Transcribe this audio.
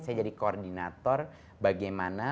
saya jadi koordinator bagaimana